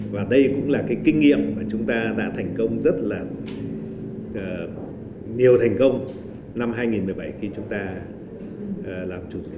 và đây cũng là cái kinh nghiệm mà chúng ta đã thành công rất là nhiều thành công năm hai nghìn một mươi bảy khi chúng ta làm chủ tịch